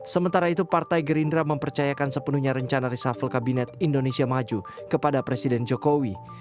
sementara itu partai gerindra mempercayakan sepenuhnya rencana reshuffle kabinet indonesia maju kepada presiden jokowi